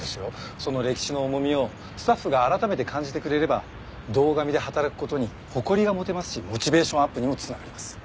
その歴史の重みをスタッフが改めて感じてくれれば堂上で働く事に誇りが持てますしモチベーションアップにも繋がります。